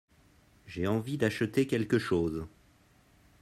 J'ai envie d'acheter quelque chose.